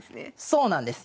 そうなんです。